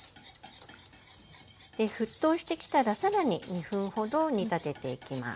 沸騰してきたら更に２分ほど煮立てていきます。